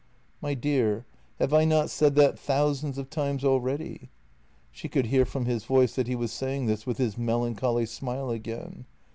"" My dear, have I not said that thousands of times already? " She could hear from his voice that he was saying this with his melancholy smile again.